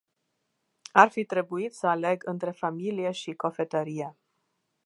Ar fi trebuit să aleg între familie și cofetărie.